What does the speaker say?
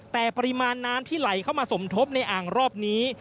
แต่ปริมาณน้ำที่ไหลเข้ามาสมทบในอ่างรอบนี้